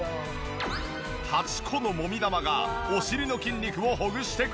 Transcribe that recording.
８個のもみ玉がお尻の筋肉をほぐしてくれる！